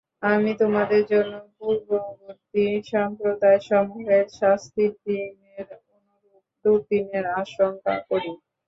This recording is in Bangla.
আমি তোমাদের জন্য পূর্ববর্তী সম্প্রদায়সমূহের শাস্তির দিনের অনুরূপ দুর্দিনের আশংকা করি।